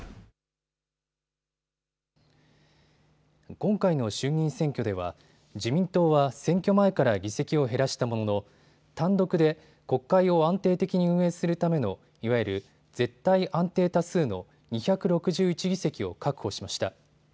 今回の衆議院選挙では自民党は選挙前から議席を減らしたものの単独で国会を安定的に運営するための、いわゆる絶対安定多数の２６１議席を確保しました。